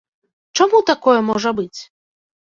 Чаму такое можа быць?